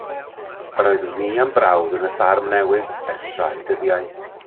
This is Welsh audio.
Yr oeddwn i a'm brawd yn y ffarm newydd ers rhai dyddiau.